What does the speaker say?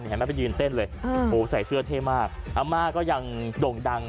เห็นไหมไปยืนเต้นเลยใส่เสื้อเท่มากอาม่าก็ยังโด่งดัง